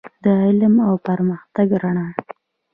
د علم او پرمختګ رڼا.